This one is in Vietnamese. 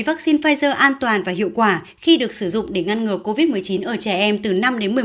vaccine pfizer an toàn và hiệu quả khi được sử dụng để ngăn ngừa covid một mươi chín ở trẻ em từ năm đến một mươi một